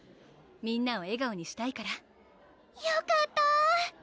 みんなを笑顔にしたいからよかった！